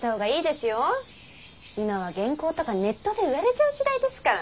今は原稿とかネットで売られちゃう時代ですから。